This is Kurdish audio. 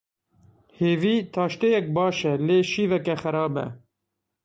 Hevî taştêyek baş e lê şîveke xerab e.